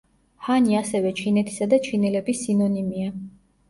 ჰანი ასევე ჩინეთისა და ჩინელების სინონიმია.